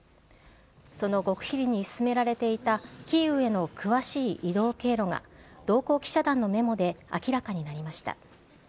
その極秘裏に進められていたキーウへの詳しい移動経路が、同行記者団のメモで明らかになりました。